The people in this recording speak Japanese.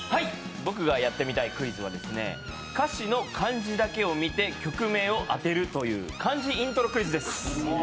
僕がやってみたいクイズは歌詞の漢字だけを見て曲名を当てるという「漢字イントロクイズ」です。